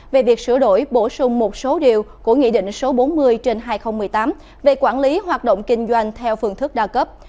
về việc sửa đổi bổ sung một số điều của nghị định số bốn mươi trên hai nghìn một mươi tám về quản lý hoạt động kinh doanh theo phương thức đa cấp